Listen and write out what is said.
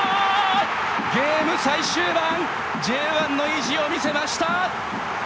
ゲーム最終盤Ｊ１の意地を見せました。